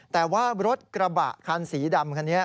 แต่ว่ารถกระบะคันสีดำคันนี้